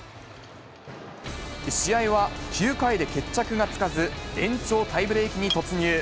試合は９回で決着がつかず、延長タイブレークに突入。